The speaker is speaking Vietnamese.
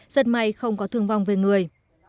rất may không có thương vong về người